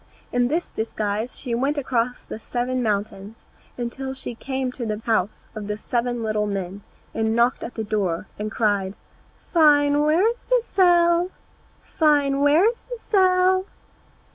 In this disguise she went across the seven mountains, until she came to the house of the seven little dwarfs, and she knocked at the door and cried, "Fine wares to sell! fine wares to sell!"